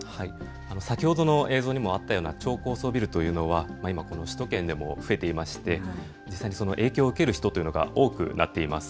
先ほどの映像にもあったような超高層ビルというのは今、首都圏でも増えていまして実際にその影響を受ける人というのが多くなっています。